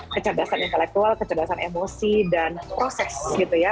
kecerdasan intelektual kecerdasan emosi dan proses gitu ya